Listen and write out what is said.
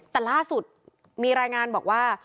แต่ล่าสุดมีรายงานบอกว่า